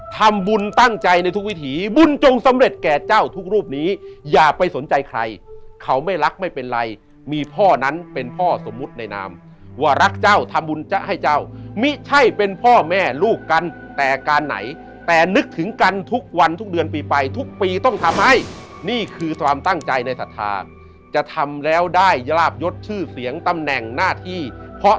ทำบุญตั้งใจในทุกวิถีบุญจงสำเร็จแก่เจ้าทุกรูปนี้อย่าไปสนใจใครเขาไม่รักไม่เป็นไรมีพ่อนั้นเป็นพ่อสมมุติในนามว่ารักเจ้าทำบุญจะให้เจ้ามิใช่เป็นพ่อแม่ลูกกันแต่การไหนแต่นึกถึงกันทุกวันทุกเดือนปีไปทุกปีต้องทำให้นี่คือความตั้งใจในศรัทธาจะทำแล้วได้ยาบยศชื่อเสียงตำแหน่งหน้าที่เพราะ